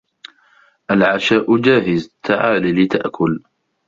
العشاء جاهز تعال لتأكل